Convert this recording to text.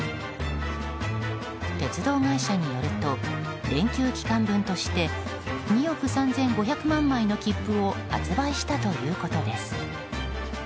鉄道会社によると連休期間分として２億３５００万枚の切符を発売したということです。